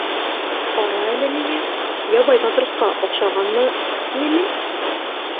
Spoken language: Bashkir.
Ҡара әле миңә: ябай матросҡа оҡшағанмы ни мин?..